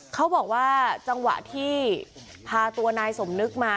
เขาบอกว่าจังหวะที่พาตัวนายสมนึกมา